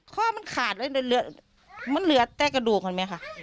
ข้อมันขาดเลยมันเหลือมันเหลือแต่กระดูกเหรอไหมค่ะ